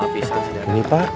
aduh apa pisahnya ini pak